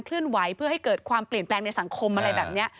เลื่อนไหวเพื่อให้เกิดความเปลี่ยนแปลงในสังคมอะไรแบบนี้